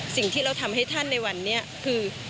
สิ่งที่เราทำให้ท่านในวันนี้คือ